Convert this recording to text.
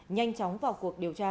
nhanh chóng vào cuộc điều tra